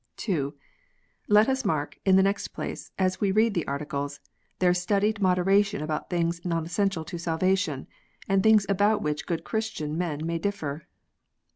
(2) Let us mark, in. the next place, as we read the Articles, their studied moderation about things non essential to salvation, and things about which good Christian men may differ.